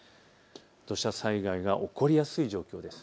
土砂災害が起こりやすい状況です。